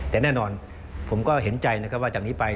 แต่แน่นอนผมก็เห็นใจนะครับว่าจากนี้ไป